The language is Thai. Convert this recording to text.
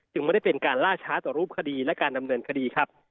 ไม่ได้เป็นการล่าช้าต่อรูปคดีและการดำเนินคดีครับ